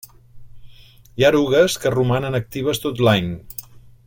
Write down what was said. Hi ha erugues que romanen actives tot l'any.